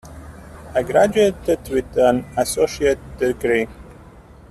I graduated with an associate degree.